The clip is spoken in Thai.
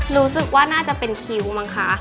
รู้สึกว่าน่าจะเป็นคิ้วมั้งคะ